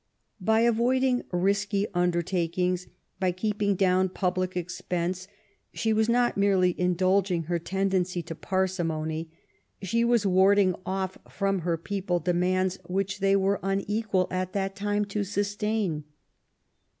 By avoiding risky undertakings, by keeping down public expense, she was not merely indulging her tendency to parsimony; she was warding off from her people demands which they were unequal at that time to sustain.